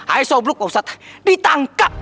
aisobluk bostad ditangkap